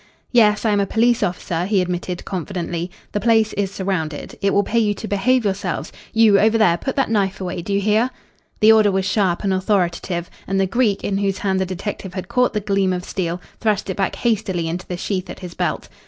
"Yes, I am a police officer," he admitted confidently. "The place is surrounded. It will pay you to behave yourselves you over there, put that knife away, do you hear?" The order was sharp and authoritative, and the Greek in whose hand the detective had caught the gleam of steel thrust it back hastily into the sheath at his belt.